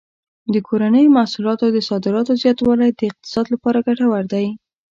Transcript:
د کورنیو محصولاتو د صادراتو زیاتوالی د اقتصاد لپاره ګټور دی.